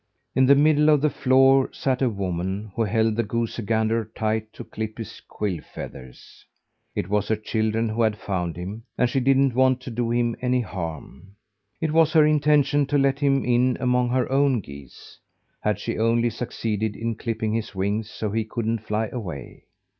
In the middle of the floor sat a woman who held the goosey gander tight to clip his quill feathers. It was her children who had found him, and she didn't want to do him any harm. It was her intention to let him in among her own geese, had she only succeeded in clipping his wings so he couldn't fly away.